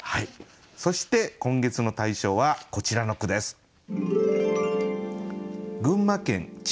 そして今月の大賞はこちらの句です。